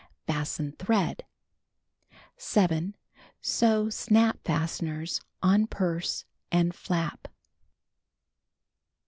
Fasten thread. 7. Sew snap fasteners on purse and flap.